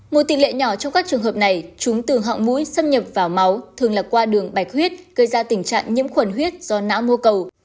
một tỷ lệ nhỏ trong các trường hợp này chúng từ họng mũi xâm nhập vào máu thường là qua đường bạch huyết gây ra tình trạng nhiễm khuẩn huyết do não mô cầu